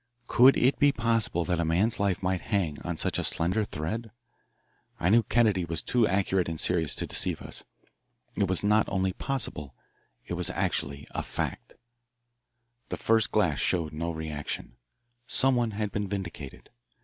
Could it be possible that a man's life might hang on such a slender thread? I knew Kennedy was too accurate and serious to deceive us. It was not only possible, it was actually a fact. The first glass showed no reaction. Someone had been vindicated.